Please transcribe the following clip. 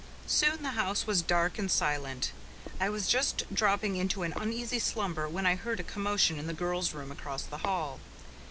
Soon the house was dark and silent. I was just dropping into an uneasy slumber when I heard a commotion in the girls' room across the hall.